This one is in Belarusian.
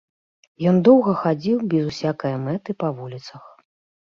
Ён доўга хадзіў без усякае мэты па вуліцах.